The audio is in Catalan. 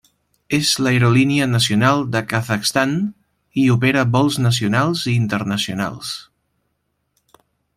És l'aerolínia nacional del Kazakhstan, i opera vols nacionals i internacionals.